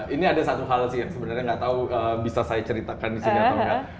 ini ada satu hal sih yang sebenarnya nggak tahu bisa saya ceritakan di sini atau enggak